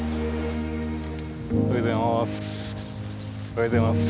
おはようございます。